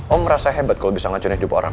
om merasa hebat kalo bisa ngancurin hidup orang